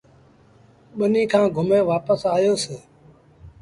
ٻنيٚ کآݩ گھمي وآپس سيٚݩ۔